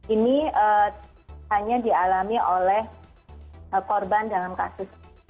ini hanya dialami oleh korban dalam kasus